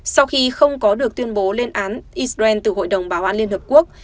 sau khi không có được tuyên bố lên án israel từ hội đồng bảo an liên hợp quốc